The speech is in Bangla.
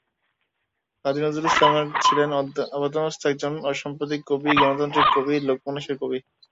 কাজী নজরুল ইসলাম ছিলেন আপাদমস্তক একজন অসাম্প্রদায়িক কবি, গণতান্ত্রিক কবি, লোকমানুষের কবি।